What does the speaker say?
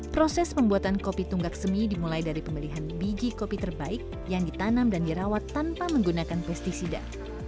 proses pembuatan kopi tunggak semi dimulai dari pemilihan biji kopi terbaik yang ditanam dan dirawat tanpa menggunakan pesticida